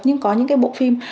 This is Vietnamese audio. nhưng có những bộ phim